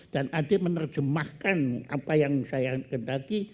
dan adik menerjemahkan apa yang saya sedang sedang